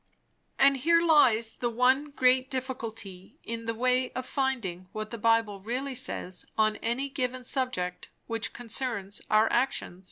And here lies the one great difficulty in the way of finding what the Bible really says on any given subject which concerns our action.